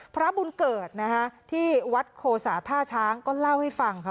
พระบุญเกิดนะคะที่วัดโคสาท่าช้างก็เล่าให้ฟังค่ะ